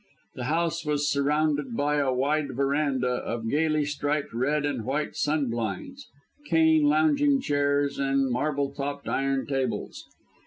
The house was surrounded by a wide verandah with gaily striped red and white sun blinds, cane lounging chairs and marble topped iron tables.